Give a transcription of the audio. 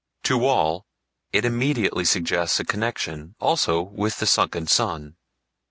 To all it immediately suggests a connection, also, with the sunken sun.